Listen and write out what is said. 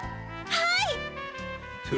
はい！